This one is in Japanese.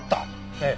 ええ。